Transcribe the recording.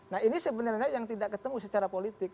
nah ini sebenarnya yang tidak ketemu secara politik